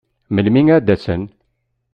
Melmi ad d-asen?